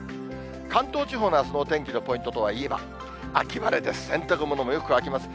関東地方のあすのお天気のポイントといえば、秋晴れです、洗濯物もよく乾きます。